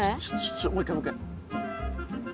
ちょもう一回もう一回。